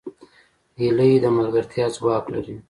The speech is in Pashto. هیلۍ د ملګرتیا ځواک لري